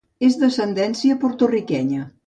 És d'ascendència porto-riquenya.